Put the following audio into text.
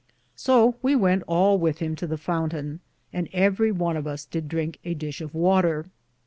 So we wente all with him to the fountaine, and everie one of us did drinke a dishe of water.